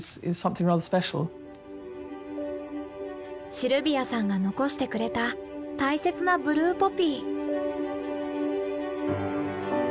シルビアさんが残してくれた大切なブルーポピー。